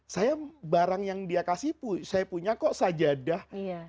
saya barang yang dia kasih saya punya kok sajadah